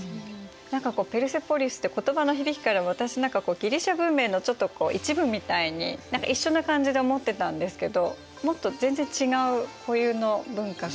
何かペルセポリスって言葉の響きから私何かギリシア文明の一部みたいに一緒な感じで思ってたんですけどもっと全然違う固有の文化が。